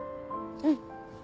うん。